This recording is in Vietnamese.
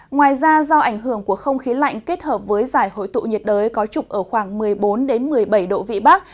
ngoài ra do ảnh hưởng của không khí lạnh kết hợp với giải hội tụ nhiệt đới có trục ở khoảng một mươi bốn một mươi bảy độ vị bắc